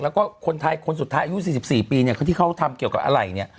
แล้วก็คนไทยคนสุดท้ายอายุ๔๔ปีเนี่ยที่เขาทำเกี่ยวกับอะไรเนี่ย